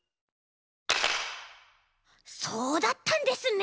そうだったんですね。